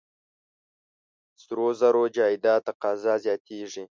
سرو زرو جایداد تقاضا زیاتېږي.